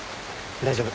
大丈夫。